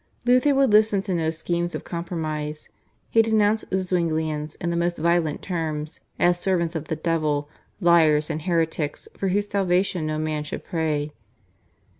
Luther would listen to no schemes of compromise. He denounced the Zwinglians in the most violent terms, as servants of the devil, liars, and heretics for whose salvation no man should pray.